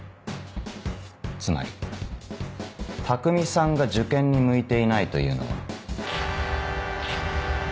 つまり匠さんが受験に向いていないというのは。